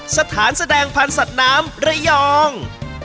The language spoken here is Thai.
สถานแสดงพันธุ์สัตว์น้ำระยอง